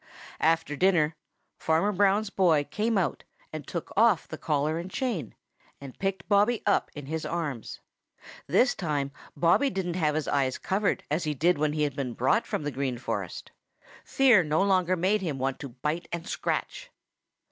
After dinner, Farmer Brown's boy came out and took off the collar and chain, and picked Bobby up in his arms. This time Bobby didn't have his eyes covered as he did when he had been brought from the Green Forest. Fear no longer made him want to bite and scratch.